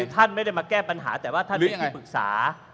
ท่านไม่ได้มาแก้ปัญหาแต่ว่าท่านไม่ได้ปรึกษา